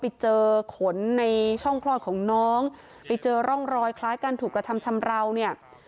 ไปเจอขนในช่องคลอดของน้องไปเจอร่องรอยคล้ายการถูกกระทำชำราวเนี่ย